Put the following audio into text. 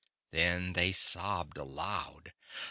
Then they sobbed aloud.